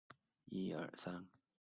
授签书建康军节度判官。